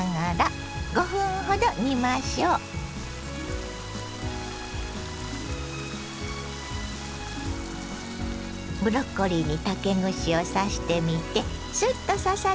ブロッコリーに竹串を刺してみてスッと刺さればＯＫ。